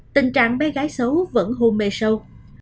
tình trạng bé gái xấu vẫn hôn mê sâu